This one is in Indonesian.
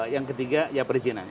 yang ketiga ya perizinan